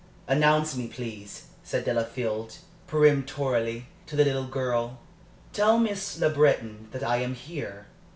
"Announce me, please," said Delafield, peremptorily, to the little girl. "Tell Miss Le Breton that I am here."